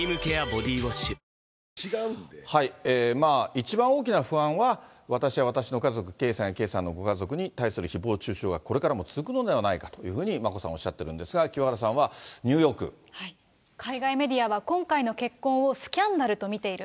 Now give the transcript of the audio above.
一番大きな不安は、私や私の家族、圭さんや圭さんのご家族に対するひぼう中傷がこれからも続くのではないかというふうに、眞子さんはおっしゃってるんですが、清原海外メディアは、今回の結婚をスキャンダルと見ている。